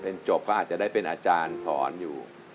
เป็นจบก็อาจจะได้เป็นอาจารย์สอนอยู่